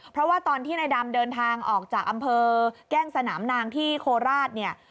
เพราะว่าตอนที่นายดำเดินทางออกจากอำเภอแก้งสนามนางที่โคราชเนี่ย